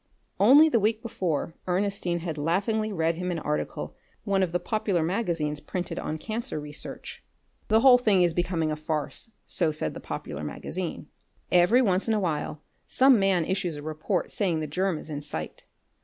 Only the week before Ernestine had laughingly read him an article one of the popular magazines printed on cancer research. The whole thing is becoming a farce so said the popular magazine. Every once in a while some man issues a report saying the germ is in sight.